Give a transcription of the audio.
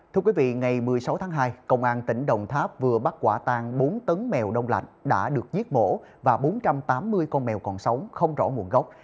thưa quý vị ngày một mươi sáu tháng hai công an tỉnh đồng tháp vừa bắt quả tan bốn tấn mèo đông lạnh đã được giết mổ và bốn trăm tám mươi con mèo còn sống không rõ nguồn gốc